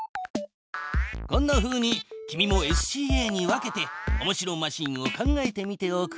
こんなふうに君もＳＣＡに分けておもしろマシーンを考えてみておくれ。